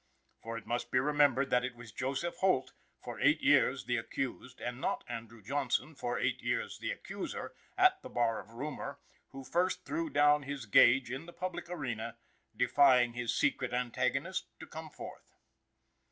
For it must be remembered that it was Joseph Holt, for eight years the accused, and not Andrew Johnson, for eight years the accuser, at the bar of rumor, who first threw down his gage in the public arena, defying his secret antagonist to come forth.